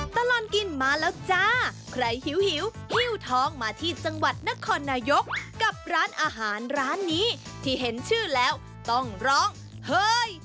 ตลอดกินมาแล้วจ้าใครหิวหิ้วท้องมาที่จังหวัดนครนายกกับร้านอาหารร้านนี้ที่เห็นชื่อแล้วต้องร้องเฮ้ย